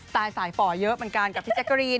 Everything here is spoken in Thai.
สายฝ่อเยอะเหมือนกันกับพี่แจ๊กกะรีน